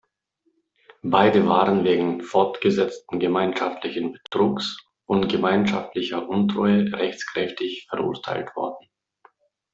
Beide waren wegen fortgesetzten gemeinschaftlichen Betrugs und gemeinschaftlicher Untreue rechtskräftig verurteilt worden.